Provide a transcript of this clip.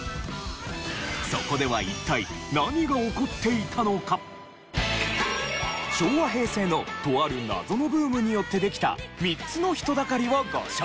そこでは一体昭和・平成のとある謎のブームによってできた３つの人だかりをご紹介。